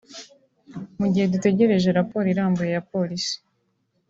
“Mu gihe dutegereje raporo irambuye ya polisi